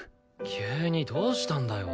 急にどうしたんだよ？